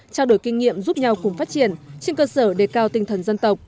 trao đổi kinh nghiệm giúp nhau cùng phát triển trên cơ sở đề cao tinh thần dân tộc